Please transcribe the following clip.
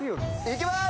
いきます！